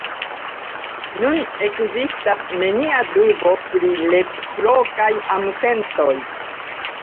Nun ekzistas nenia dubo pri reciprokaj amsentoj.